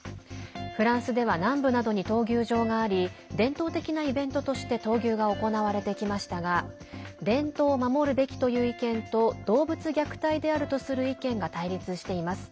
フランスでは南部などに闘牛場があり伝統的なイベントとして闘牛が行われてきましたが伝統を守るべきという意見と動物虐待であるとする意見が対立しています。